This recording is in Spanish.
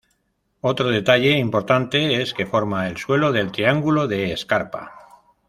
Otro detalle importante es que forma el suelo del triángulo de Scarpa.